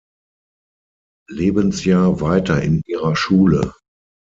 Lebensjahr weiter in ihrer Schule.